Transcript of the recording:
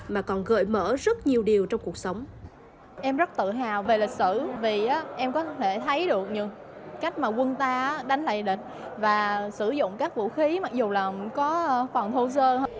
mà còn gợi mở rất nhiều điều trong cuộc sống